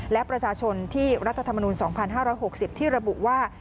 และประชาชนที่รัฐธรรมนูล๒๕๖๐ที่ระบุว่า